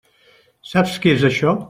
Saps què és això?